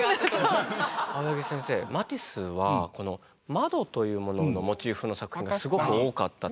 青柳先生マティスはこの窓というもののモチーフの作品がすごく多かったと。